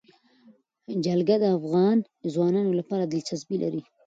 جلګه د افغان ځوانانو لپاره دلچسپي لري.